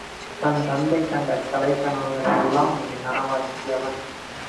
தன் தந்தை கண்ட கலைக் கனவுகளையெல்லாம் நனவாக்கியவன்.